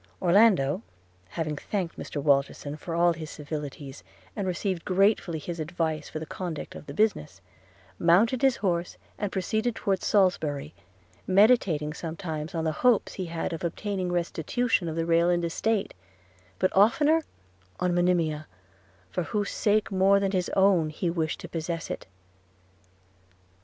Orlando, having thanked Mr Walterson for all his civilities, and received gratefully his advice for the conduct of the business, mounted his horse and proceeded towards Salisbury, meditating sometimes on the hopes he had of obtaining restitution of the Rayland estate; but oftener on Monimia, for whose sake more than his own he wished to possess it.